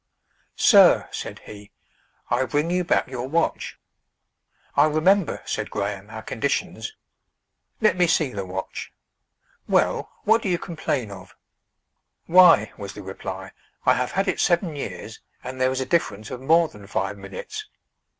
"Sir," said he, "I bring you back your watch." "I remember," said Graham, "our conditions. Let me see the watch. Well, what do you complain of?" "Why," was the reply, "I have had it seven years, and there is a difference of more than five minutes."